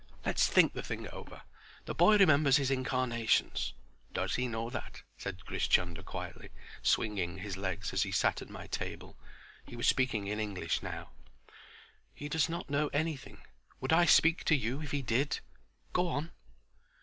Let's think the thing over. The boy remembers his incarnations." "Does he know that?" said Grish Chunder, quietly, swinging his legs as he sat on my table. He was speaking in English now. "He does not know anything. Would I speak to you if he did? Go on!"